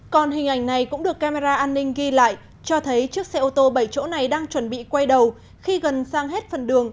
còn hình ảnh này cũng được camera an ninh ghi lại cho thấy chiếc xe ô tô bảy chỗ này đang chuẩn bị quay đầu khi gần sang hết phần đường